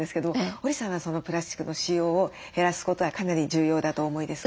織さんはプラスチックの使用を減らすことはかなり重要だとお思いですか？